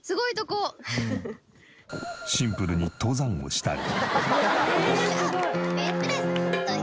シンプルに登山をしたり。